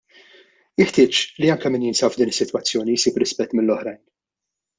Jeħtieġ li anke min jinsab f'din is-sitwazzjoni isib rispett mill-oħrajn.